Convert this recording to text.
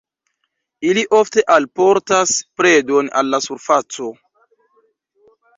Ili ofte alportas predon al la surfaco.